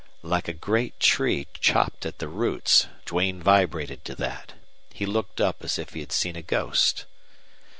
Like a great tree chopped at the roots Duane vibrated to that. He looked up as if he had seen a ghost.